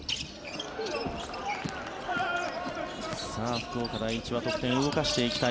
福岡第一は得点を動かしていきたい。